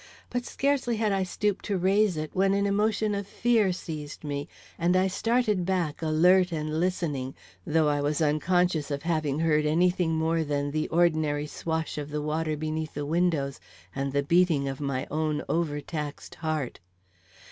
But scarcely had I stooped to raise it when an emotion of fear seized me, and I started back alert and listening, though I was unconscious of having heard any thing more than the ordinary swash of the water beneath the windows and the beating of my own overtaxed heart.